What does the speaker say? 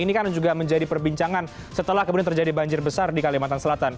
ini kan juga menjadi perbincangan setelah kemudian terjadi banjir besar di kalimantan selatan